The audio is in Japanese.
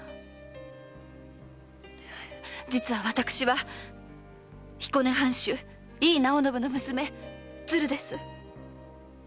実は私は彦根藩主井伊直惟の娘・鶴です。